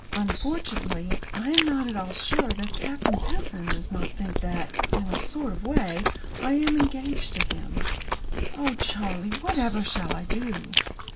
"Unfortunately, I am not at all sure that Captain Pentland does not think that, in a sort of way, I am engaged to him. Oh, Charlie, whatever shall I do?"